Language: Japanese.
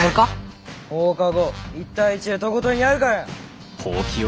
放課後１対１でとことんやるからよ。